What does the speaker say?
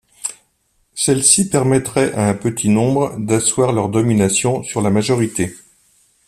Celles-ci permettraient à un petit nombre d'asseoir leur domination sur la majorité.